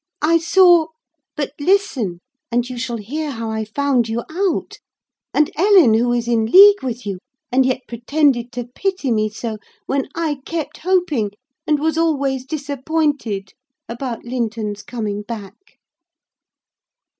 I saw—but listen, and you shall hear how I found you out; and Ellen, who is in league with you, and yet pretended to pity me so, when I kept hoping, and was always disappointed about Linton's coming back!"